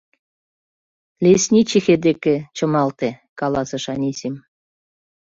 — Лесничихе деке чымалте, — каласыш Анисим.